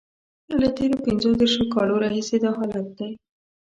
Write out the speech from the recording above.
له تېرو پنځه دیرشو کالو راهیسې دا حالت دی.